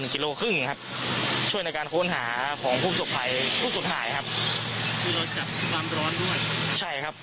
๑กิโลครึ่งครับช่วยในการโครงค้าของพุธสุขพัยผู้สุดหายครับ